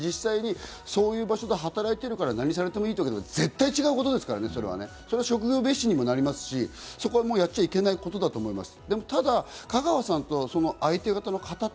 実際にそういう場所で働いているから何されてもいいというのは絶対に違いますから、職業蔑視にもなりますし、そこはやっちゃいけないことだと思います。